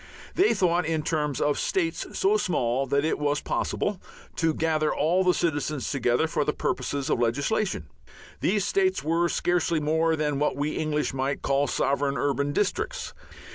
They thought in terms of states so small that it was possible to gather all the citizens together for the purposes of legislation. These states were scarcely more than what we English might call sovereign urban districts.